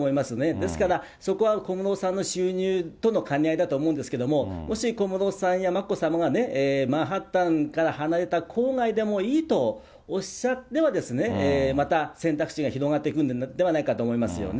ですから、そこは小室さんの収入との兼ね合いだと思うんですけれども、もし小室さんや眞子さまがマンハッタンから離れた郊外でもいいとおっしゃれば、また、選択肢が広がってくるんではないかと思いますね。